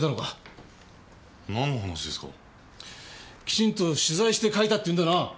きちんと取材して書いたって言うんだな？